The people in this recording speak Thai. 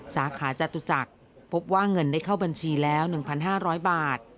สาขาจตุจักรพบว่าเงินได้เข้าบัญชีแล้ว๑๕๐๐บาท